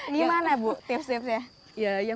gimana bu tips tipsnya